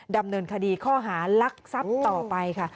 ดำเนินคดีข้อหารักทรัพย์ต่อไปค่ะ